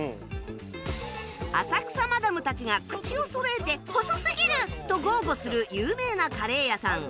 浅草マダムたちが口をそろえて「細すぎる！」と豪語する有名なカレー屋さん